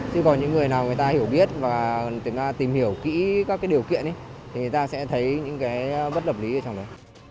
chứ còn những người nào người ta hiểu biết và tìm hiểu kỹ các điều kiện thì người ta sẽ thấy những cái bất lập lý ở trong đấy